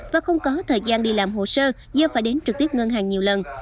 và không có thời gian đi làm hồ sơ do phải đến trực tiếp ngân hàng nhiều lần